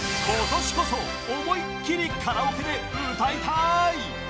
今年こそ思いっきりカラオケで歌いたい！